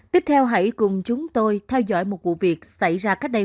tiếp theo hãy cùng chúng tôi theo dõi một vụ việc xảy ra cách đây